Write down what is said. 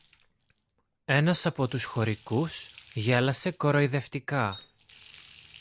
Ένας από τους χωρικούς γέλασε κοροϊδευτικά.